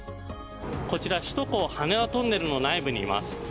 こちら首都高羽田トンネルの内部にいます。